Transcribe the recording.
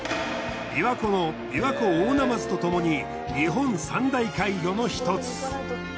琵琶湖のビワコオオナマズとともに日本三大怪魚の１つ。